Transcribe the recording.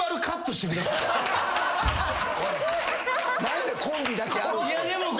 何でコンビだけ合う。